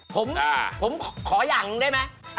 ผมขออย่างเลยมา